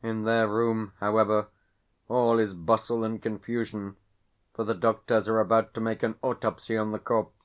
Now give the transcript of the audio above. In their room, however, all is bustle and confusion, for the doctors are about to make an autopsy on the corpse.